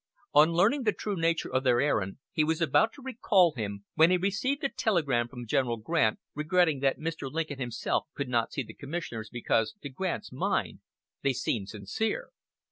On learning the true nature of their errand he was about to recall him, when he received a telegram from General Grant, regretting that Mr. Lincoln himself could not see the commissioners, because, to Grant's mind, they seemed sincere.